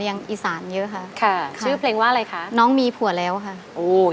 เรนงี้ยากน่ายังไงค่ะคุณโอ